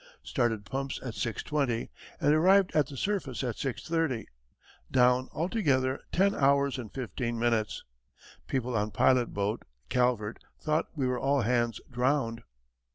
Started pumps at 6.20, and arrived at the surface at 6.30. Down altogether ten hours and fifteen minutes. People on pilot boat Calvert thought we were all hands drowned.